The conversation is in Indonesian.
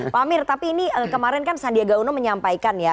pak amir tapi ini kemarin kan sandiaga uno menyampaikan ya